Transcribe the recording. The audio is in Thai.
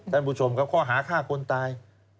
ท่านผู้ชมครับข้อหาฆ่าคนตาย